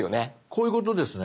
こういうことですね。